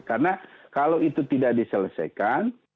karena kalau itu tidak diselesaikan